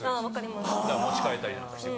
持ち替えたりなんかして。